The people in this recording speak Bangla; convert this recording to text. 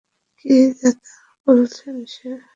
কি যাতা বলছে সে?